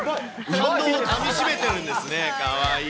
感動をかみしめてるんですね、かわいい。